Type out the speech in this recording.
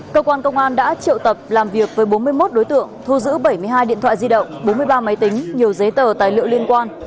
cơ quan công an đã triệu tập làm việc với bốn mươi một đối tượng thu giữ bảy mươi hai điện thoại di động bốn mươi ba máy tính nhiều giấy tờ tài liệu liên quan